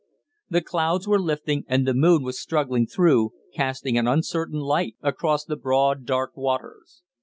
The clouds were lifting, and the moon was struggling through, casting an uncertain light across the broad dark waters.